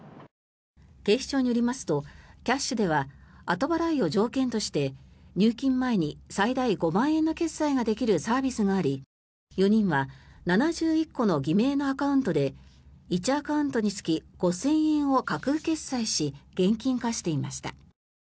警視庁によりますとｋｙａｓｈでは後払いを条件として入金前に最大５万円の決済ができるサービスがあり４人は７１個の偽名のアカウントで１アカウントにつき５０００円を架空決済し現金化していました。